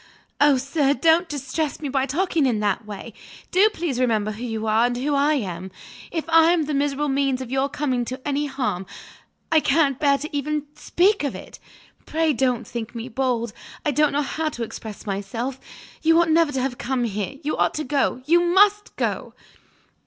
"Oh, sir, don't distress me by talking in that way! Do please remember who you are, and who I am. If I was the miserable means of your coming to any harm I can't bear even to speak of it! Pray don't think me bold; I don't know how to express myself. You ought never to have come here; you ought to go; you must go!"